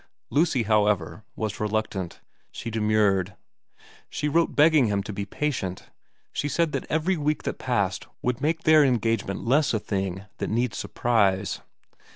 Lucy, however, was reluctant. She demurred. She wrote begging him to be patient. She said that every week that passed would make their engagement less a thing that need surprise.